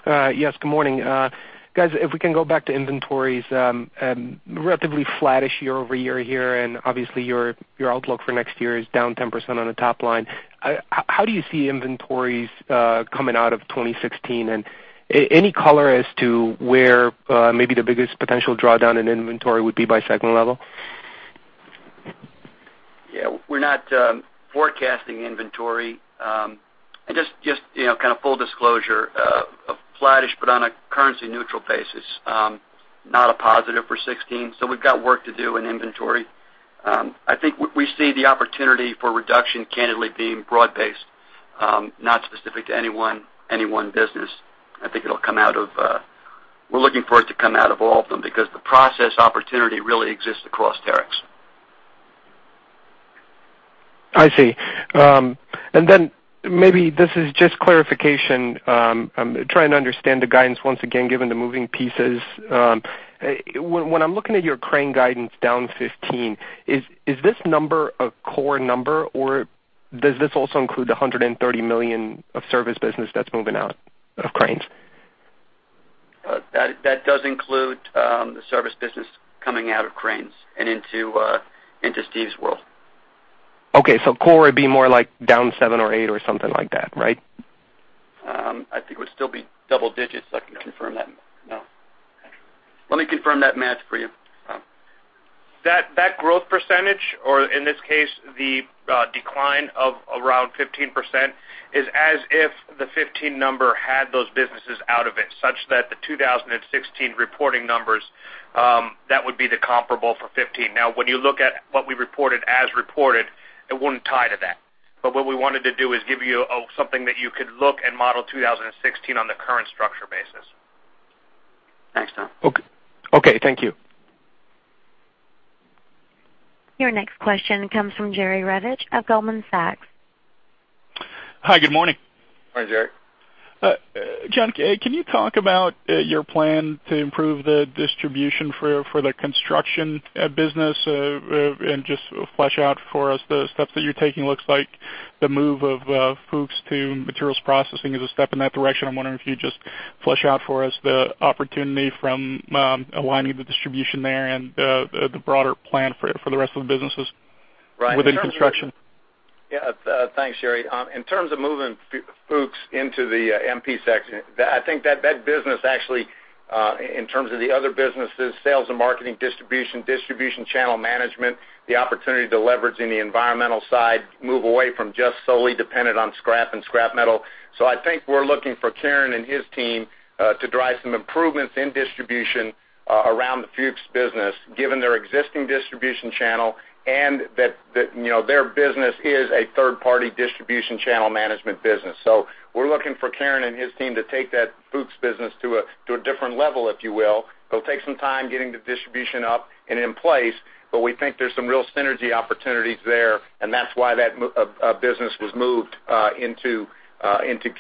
Yes, good morning. Guys, if we can go back to inventories, relatively flattish year-over-year here, and obviously your outlook for next year is down 10% on the top line. How do you see inventories coming out of 2016, and any color as to where maybe the biggest potential drawdown in inventory would be by segment level? Yeah, we're not forecasting inventory. Just full disclosure, flattish, but on a currency neutral basis. Not a positive for 2016. We've got work to do in inventory. We see the opportunity for reduction candidly being broad-based, not specific to any one business. We're looking for it to come out of all of them because the process opportunity really exists across Terex. I see. Then maybe this is just clarification. I'm trying to understand the guidance once again, given the moving pieces. When I'm looking at your crane guidance down 15, is this number a core number or does this also include the $130 million of service business that's moving out of cranes? That does include the service business coming out of cranes and into Steve's world. Okay, core would be more like down seven or eight or something like that, right? I think it would still be double digits. I can confirm that. No. Okay. Let me confirm that math for you. That growth percentage, or in this case, the decline of around 15%, is as if the 2015 number had those businesses out of it, such that the 2016 reporting numbers, that would be the comparable for 2015. When you look at what we reported as reported, it wouldn't tie to that. What we wanted to do is give you something that you could look and model 2016 on the current structure basis. Thanks, John. Okay. Thank you. Your next question comes from Jerry Revich of Goldman Sachs. Hi, good morning. Hi, Jerry. John, can you talk about your plan to improve the distribution for the construction business and just flesh out for us the steps that you're taking. Looks like the move of Fuchs to materials processing is a step in that direction. I'm wondering if you'd just flesh out for us the opportunity from aligning the distribution there and the broader plan for the rest of the businesses within construction. Yeah. Thanks, Jerry. In terms of moving Fuchs into the MP section, I think that business actually, in terms of the other businesses, sales and marketing distribution channel management, the opportunity to leverage in the environmental side, move away from just solely dependent on scrap and scrap metal. I think we're looking for Kieran and his team to drive some improvements in distribution around the Fuchs business, given their existing distribution channel and that their business is a third-party distribution channel management business. We're looking for Kieran and his team to take that Fuchs business to a different level, if you will. It'll take some time getting the distribution up and in place, but we think there's some real synergy opportunities there, and that's why that business was moved into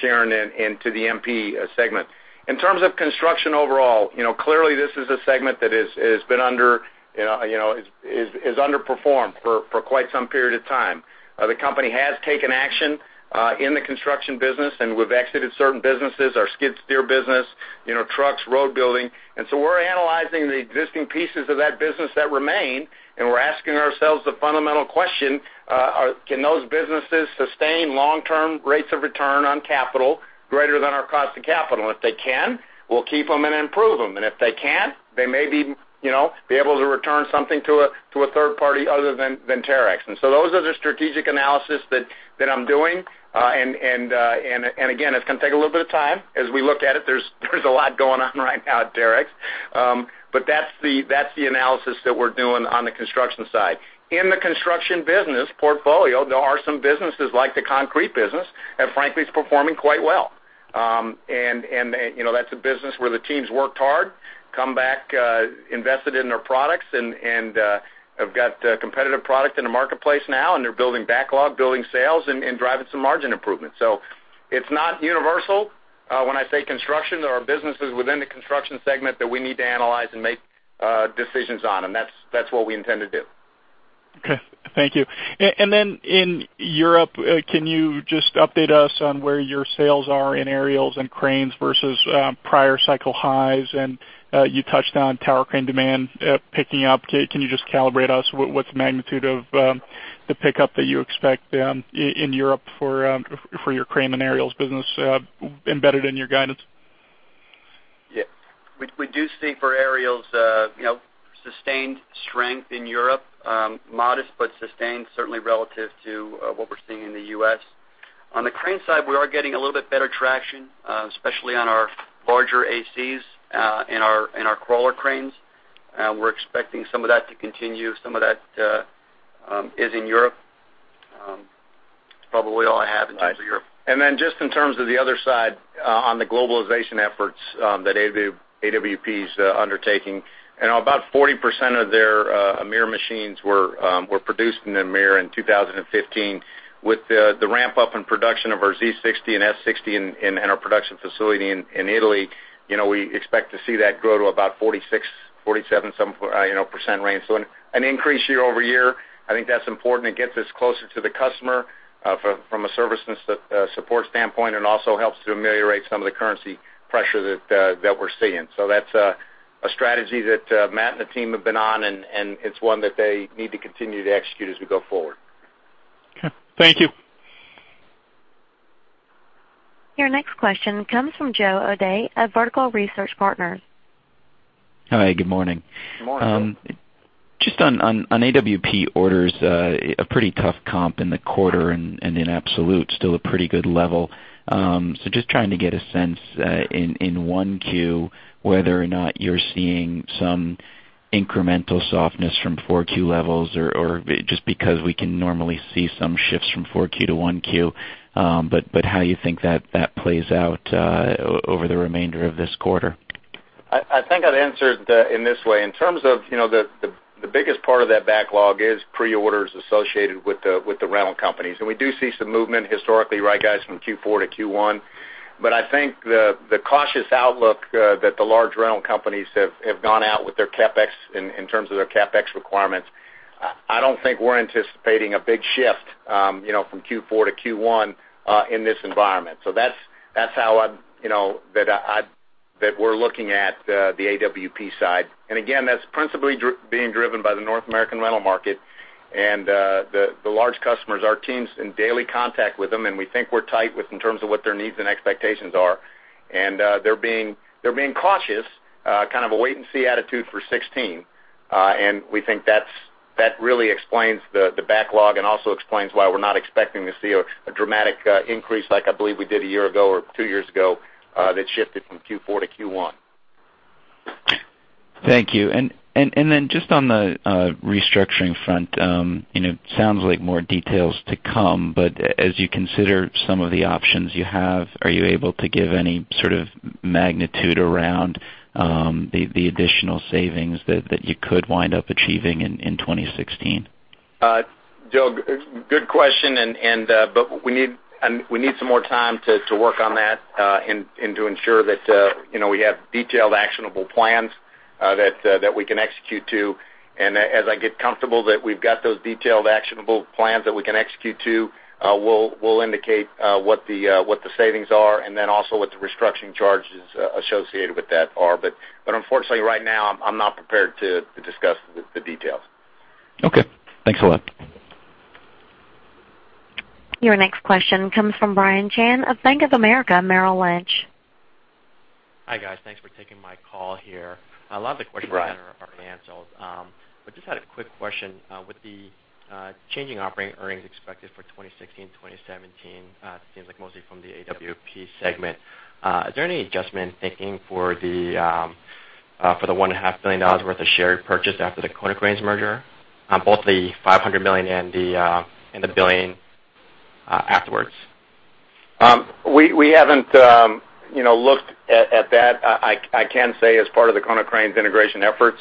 Kieran and to the MP segment. In terms of construction overall, clearly this is a segment that has underperformed for quite some period of time. The company has taken action in the construction business, and we've exited certain businesses, our skid steer business, trucks, road building. We're analyzing the existing pieces of that business that remain, and we're asking ourselves the fundamental question, can those businesses sustain long-term rates of return on capital greater than our cost of capital? If they can, we'll keep them and improve them. If they can't, they may be able to return something to a third party other than Terex. Those are the strategic analysis that I'm doing. Again, it's going to take a little bit of time as we look at it. There's a lot going on right now at Terex. That's the analysis that we're doing on the construction side. In the construction business portfolio, there are some businesses like the concrete business that frankly is performing quite well. That's a business where the team's worked hard, come back, invested in their products and have got a competitive product in the marketplace now, and they're building backlog, building sales and driving some margin improvement. It's not universal. When I say construction, there are businesses within the construction segment that we need to analyze and make decisions on, and that's what we intend to do. Okay. Thank you. In Europe, can you just update us on where your sales are in Aerials and cranes versus prior cycle highs? You touched on tower crane demand picking up. Can you just calibrate us what's the magnitude of the pickup that you expect in Europe for your crane and Aerials business embedded in your guidance? Yeah. We do see for Aerials sustained strength in Europe, modest but sustained, certainly relative to what we're seeing in the U.S. On the crane side, we are getting a little bit better traction, especially on our larger ACs in our crawler cranes. We're expecting some of that to continue. Some of that is in Europe. That's probably all I have in terms of Europe. Just in terms of the other side on the globalization efforts that AWP's undertaking, about 40% of their EMEAR machines were produced in EMEAR in 2015. With the ramp up in production of our Z-60 and S-60 in our production facility in Italy, we expect to see that grow to about 46%-47% some percent range. An increase year-over-year, I think that's important. It gets us closer to the customer from a service and support standpoint, also helps to ameliorate some of the currency pressure that we're seeing. That's a strategy that Matt and the team have been on, it's one that they need to continue to execute as we go forward. Okay. Thank you. Your next question comes from Joe O'Dea of Vertical Research Partners. Hi, good morning. Good morning. Just on AWP orders, a pretty tough comp in the quarter and in absolute, still a pretty good level. Just trying to get a sense in 1Q whether or not you're seeing some incremental softness from 4Q levels or just because we can normally see some shifts from 4Q to 1Q, but how you think that plays out over the remainder of this quarter. I think I'd answer it in this way. In terms of the biggest part of that backlog is pre-orders associated with the rental companies. We do see some movement historically, right, guys, from Q4 to Q1. I think the cautious outlook that the large rental companies have gone out with their CapEx in terms of their CapEx requirements, I don't think we're anticipating a big shift from Q4 to Q1, in this environment. That's how that we're looking at the AWP side. Again, that's principally being driven by the North American rental market and the large customers. Our team's in daily contact with them, and we think we're tight with in terms of what their needs and expectations are. They're being cautious, kind of a wait-and-see attitude for 2016. We think that really explains the backlog and also explains why we're not expecting to see a dramatic increase like I believe we did a year ago or two years ago, that shifted from Q4 to Q1. Thank you. Then just on the restructuring front, it sounds like more details to come, but as you consider some of the options you have, are you able to give any sort of magnitude around the additional savings that you could wind up achieving in 2016? Joe, good question, but we need some more time to work on that and to ensure that we have detailed, actionable plans that we can execute to. As I get comfortable that we've got those detailed, actionable plans that we can execute to, we'll indicate what the savings are and then also what the restructuring charges associated with that are. Unfortunately right now, I'm not prepared to discuss the details. Okay. Thanks a lot. Your next question comes from Brian Chan of Bank of America Merrill Lynch. Hi, guys. Thanks for taking my call here. Hi, Brian. have been answered. Just had a quick question. With the changing operating earnings expected for 2016, 2017, it seems like mostly from the AWP segment. Is there any adjustment thinking for the $1.5 billion worth of share repurchase after the Konecranes merger? Both the $500 million and the $1 billion afterwards. We haven't looked at that. I can say as part of the Konecranes integration efforts,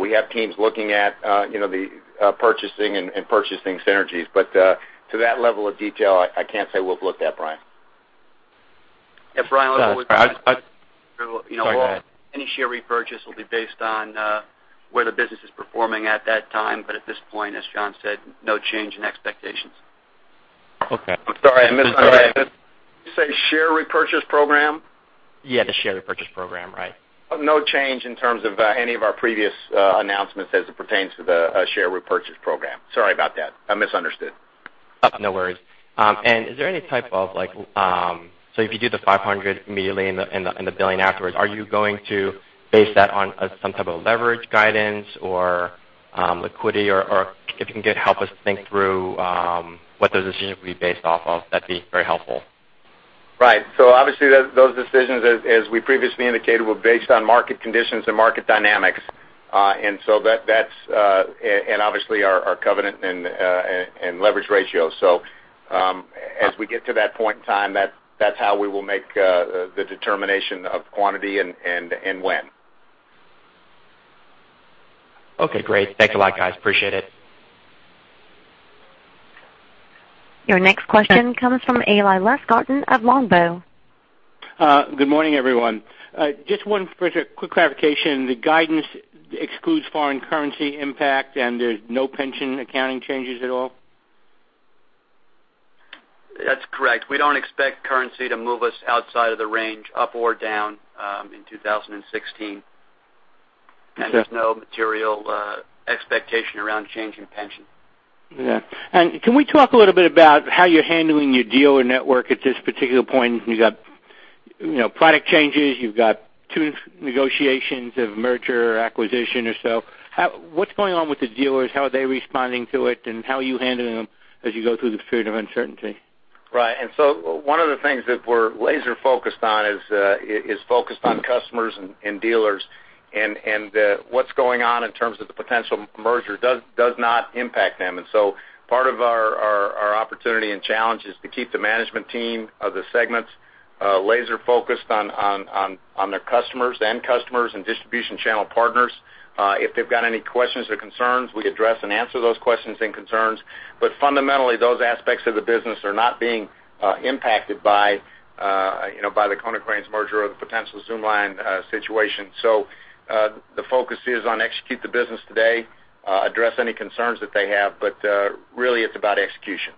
we have teams looking at the purchasing and purchasing synergies. To that level of detail, I can't say we've looked at, Brian. Yeah, Brian, any share repurchase will be based on where the business is performing at that time. At this point, as John said, no change in expectations. Okay. I'm sorry, I misunderstood. Did you say share repurchase program? Yeah, the share repurchase program, right. No change in terms of any of our previous announcements as it pertains to the share repurchase program. Sorry about that. I misunderstood. No worries. Is there any type of like, if you do the $500 million immediately and the $1 billion afterwards, are you going to base that on some type of leverage guidance or liquidity? If you can help us think through what those decisions will be based off of, that'd be very helpful. Right. Obviously those decisions, as we previously indicated, were based on market conditions and market dynamics. Obviously our covenant and leverage ratio. As we get to that point in time, that's how we will make the determination of quantity and when. Okay, great. Thanks a lot, guys. Appreciate it. Your next question comes from Eli Lustgarten of Longbow Research. Good morning, everyone. Just one quick clarification. The guidance excludes foreign currency impact, and there's no pension accounting changes at all? That's correct. We don't expect currency to move us outside of the range up or down in 2016. Okay. There's no material expectation around change in pension. Yeah. Can we talk a little bit about how you're handling your dealer network at this particular point? You've got product changes, you've got two negotiations of merger or acquisition or so. What's going on with the dealers? How are they responding to it, and how are you handling them as you go through this period of uncertainty? Right. One of the things that we're laser-focused on is focused on customers and dealers and what's going on in terms of the potential merger does not impact them. Part of our opportunity and challenge is to keep the management team of the segments laser-focused on their customers, end customers, and distribution channel partners. If they've got any questions or concerns, we address and answer those questions and concerns, but fundamentally, those aspects of the business are not being impacted by the Konecranes merger or the potential Zoomlion situation. The focus is on execute the business today, address any concerns that they have. Really it's about execution.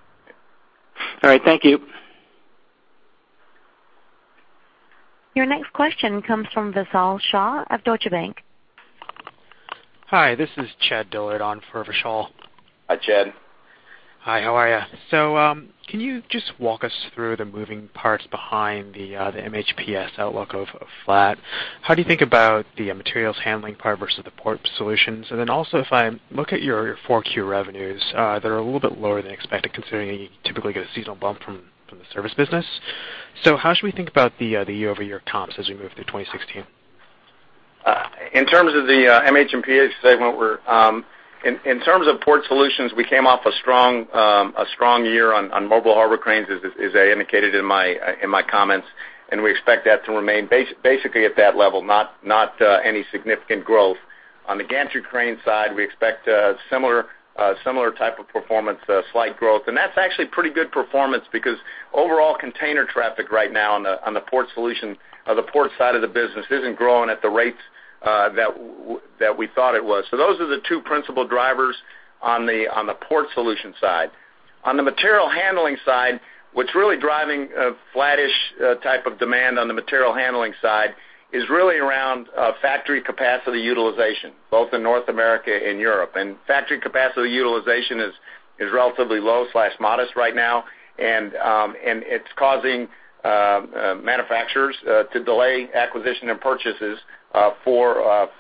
All right. Thank you. Your next question comes from Vishal Shah of Deutsche Bank. Hi, this is Chad Dillard on for Vishal. Hi, Chad. Hi, how are you? Can you just walk us through the moving parts behind the MHPS outlook of flat? How do you think about the materials handling part versus the port solutions? If I look at your 4Q revenues, they're a little bit lower than expected, considering you typically get a seasonal bump from the service business. How should we think about the year-over-year comps as we move through 2016? In terms of the MHPS segment, in terms of port solutions, we came off a strong year on mobile harbor cranes, as I indicated in my comments, and we expect that to remain basically at that level, not any significant growth. On the gantry crane side, we expect a similar type of performance, slight growth. That's actually pretty good performance because overall container traffic right now on the port side of the business isn't growing at the rates that we thought it was. Those are the two principal drivers on the port solution side. On the material handling side, what's really driving a flattish type of demand on the material handling side is really around factory capacity utilization, both in North America and Europe. Factory capacity utilization is relatively low/modest right now, and it's causing manufacturers to delay acquisition and purchases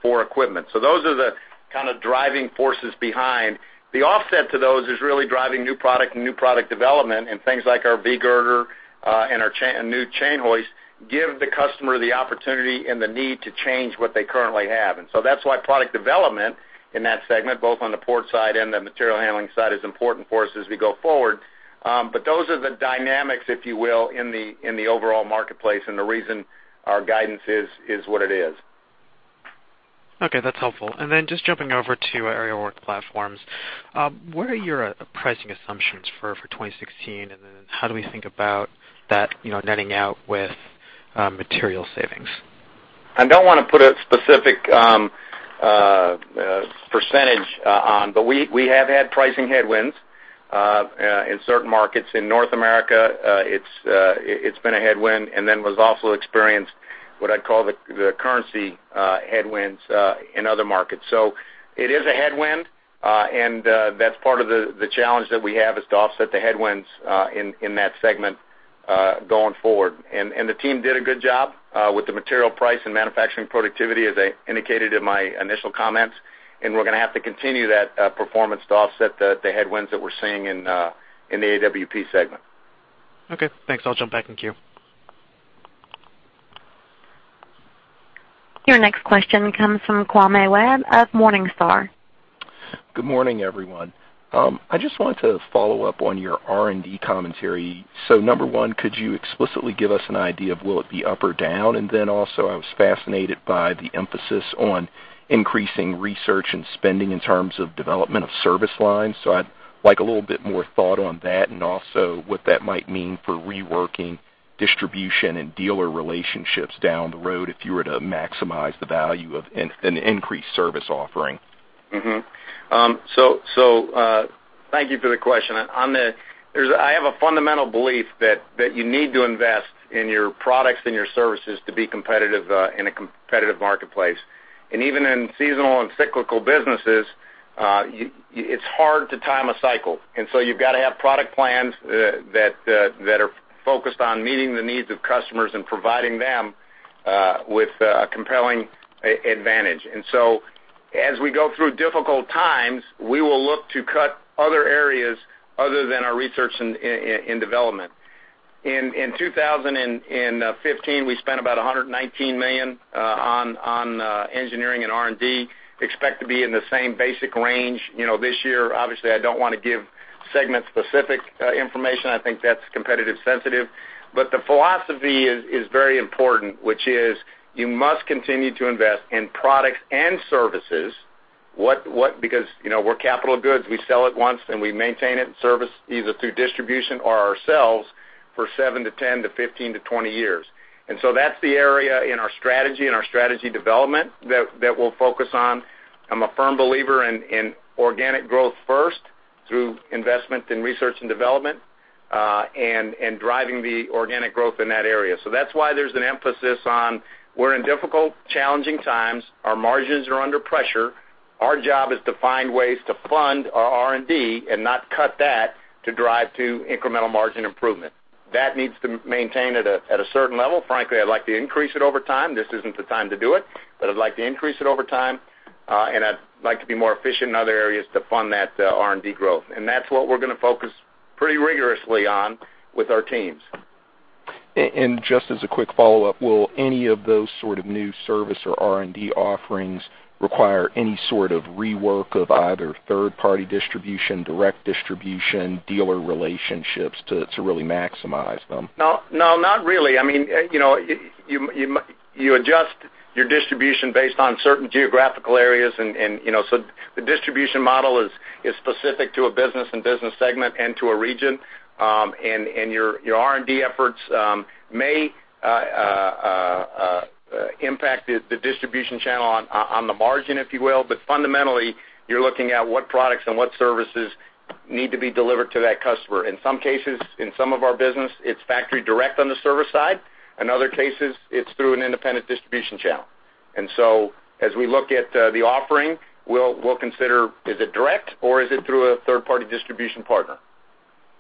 for equipment. Those are the kind of driving forces behind. The offset to those is really driving new product and new product development, and things like our V girder and our new chain hoist give the customer the opportunity and the need to change what they currently have. That's why product development in that segment, both on the port side and the material handling side, is important for us as we go forward. Those are the dynamics, if you will, in the overall marketplace and the reason our guidance is what it is. Okay, that's helpful. Then just jumping over to Aerial Work Platforms. What are your pricing assumptions for 2016, and then how do we think about that netting out with material savings? I don't want to put a specific percentage on, but we have had pricing headwinds in certain markets. In North America, it's been a headwind, and then was also experienced what I'd call the currency headwinds in other markets. It is a headwind, and that's part of the challenge that we have is to offset the headwinds in that segment going forward. The team did a good job with the material price and manufacturing productivity, as I indicated in my initial comments, and we're going to have to continue that performance to offset the headwinds that we're seeing in the AWP segment. Okay, thanks. I'll jump back in queue. Your next question comes from Kwame Webb of Morningstar. Good morning, everyone. I just wanted to follow up on your R&D commentary. Number 1, could you explicitly give us an idea of will it be up or down? Also, I was fascinated by the emphasis on increasing research and spending in terms of development of service lines. I'd like a little bit more thought on that, and also what that might mean for reworking distribution and dealer relationships down the road if you were to maximize the value of an increased service offering. Thank you for the question. I have a fundamental belief that you need to invest in your products and your services to be competitive in a competitive marketplace. Even in seasonal and cyclical businesses, it's hard to time a cycle. You've got to have product plans that are focused on meeting the needs of customers and providing them with a compelling advantage. As we go through difficult times, we will look to cut other areas other than our research and development. In 2015, we spent about $119 million on engineering and R&D. Expect to be in the same basic range this year. Obviously, I don't want to give segment-specific information. I think that's competitive sensitive. The philosophy is very important, which is you must continue to invest in products and services. Because we're capital goods, we sell it once and we maintain it and service either through distribution or ourselves for 7 to 10 to 15 to 20 years. That's the area in our strategy and our strategy development that we'll focus on. I'm a firm believer in organic growth first through investment in research and development, and driving the organic growth in that area. That's why there's an emphasis on we're in difficult, challenging times. Our margins are under pressure. Our job is to find ways to fund our R&D and not cut that to drive to incremental margin improvement. That needs to maintain at a certain level. Frankly, I'd like to increase it over time. This isn't the time to do it, but I'd like to increase it over time. I'd like to be more efficient in other areas to fund that R&D growth. That's what we're going to focus pretty rigorously on with our teams. Just as a quick follow-up, will any of those sort of new service or R&D offerings require any sort of rework of either third party distribution, direct distribution, dealer relationships to really maximize them? No, not really. You adjust your distribution based on certain geographical areas. The distribution model is specific to a business and business segment and to a region. Your R&D efforts may impact the distribution channel on the margin, if you will. Fundamentally, you're looking at what products and what services need to be delivered to that customer. In some cases, in some of our business, it's factory direct on the service side. In other cases, it's through an independent distribution channel. As we look at the offering, we'll consider is it direct or is it through a third-party distribution partner?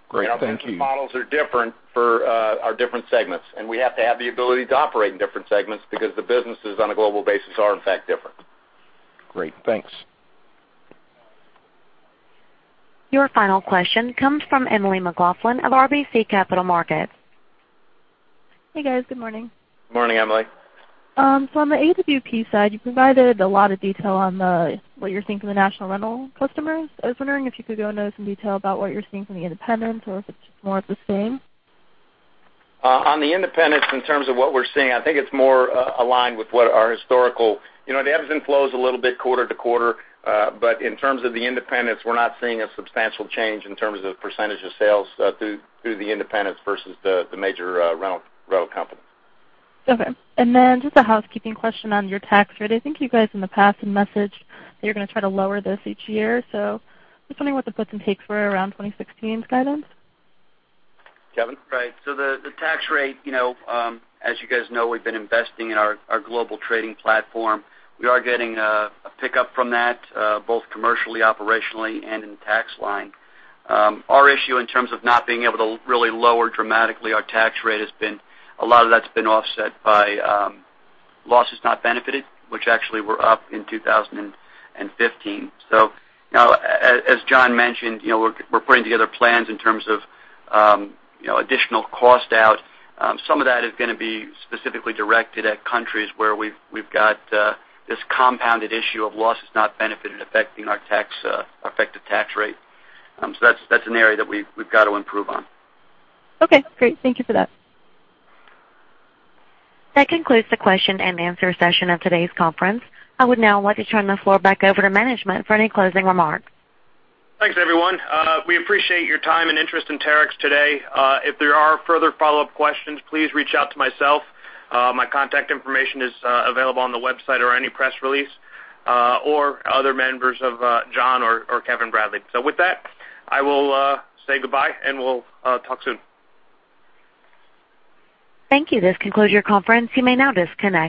Great. Thank you. Our business models are different for our different segments. We have to have the ability to operate in different segments because the businesses on a global basis are, in fact, different. Great. Thanks. Your final question comes from Emily McLaughlin of RBC Capital Markets. Hey, guys. Good morning. Morning, Emily. On the AWP side, you provided a lot of detail on what you're seeing from the national rental customers. I was wondering if you could go into some detail about what you're seeing from the independents or if it's more of the same. On the independents, in terms of what we're seeing, I think it's more aligned with what our historical. The ebbs and flows a little bit quarter-to-quarter, in terms of the independents, we're not seeing a substantial change in terms of percentage of sales through the independents versus the major rental companies. Okay. Just a housekeeping question on your tax rate. I think you guys in the past have messaged that you're going to try to lower this each year. Just wondering what the puts and takes were around 2016's guidance. Kevin? Right. The tax rate, as you guys know, we've been investing in our global trading platform. We are getting a pickup from that, both commercially, operationally, and in tax line. Our issue in terms of not being able to really lower dramatically our tax rate has been a lot of that's been offset by losses not benefited, which actually were up in 2015. As John mentioned, we're putting together plans in terms of additional cost out. Some of that is going to be specifically directed at countries where we've got this compounded issue of losses not benefited affecting our effective tax rate. That's an area that we've got to improve on. Okay, great. Thank you for that. That concludes the question and answer session of today's conference. I would now like to turn the floor back over to management for any closing remarks. Thanks, everyone. We appreciate your time and interest in Terex today. If there are further follow-up questions, please reach out to myself. My contact information is available on the website or any press release, or other members of John or Kevin Bradley. With that, I will say goodbye, and we'll talk soon. Thank you. This concludes your conference. You may now disconnect.